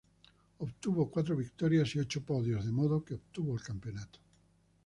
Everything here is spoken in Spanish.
Obtuvo cuatro victorias y ocho podios, de modo que obtuvo el campeonato.